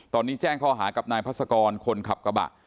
ตอนนี้แจ้งข้อหากับนายพัศกรคนขับกระบะ